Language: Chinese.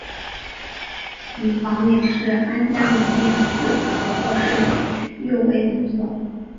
女房名是安嘉门院四条或是右卫门佐。